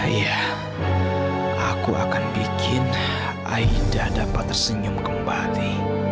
iya aku akan bikin aida dapat tersenyum kembali